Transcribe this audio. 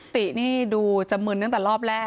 ตินี่ดูจะมึนตั้งแต่รอบแรก